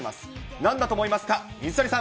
なんだと思いますか、水谷さん。